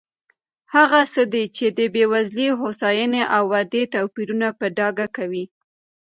هغه څه دي چې د بېوزلۍ، هوساینې او ودې توپیرونه په ډاګه کوي.